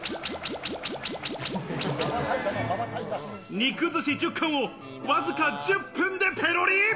肉寿司１０貫をわずか１０分でペロリ。